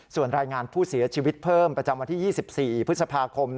ส่วนรายงานผู้เสียชีวิตเพิ่มประจำวันที่๒๔พฤษภาคม